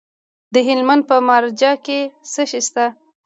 د هلمند په مارجه کې څه شی شته؟